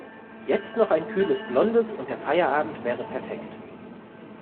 Jetzt noch ein kühles Blondes und der Feierabend wäre perfekt.